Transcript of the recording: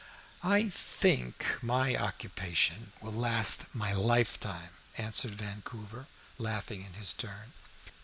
"I think my occupation will last my life time," answered Vancouver, laughing in his turn.